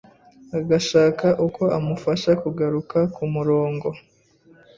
agashaka uko amufasha kugaruka kumurongo.